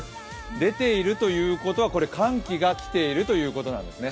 出ているということは、寒気が来ているということなんですね。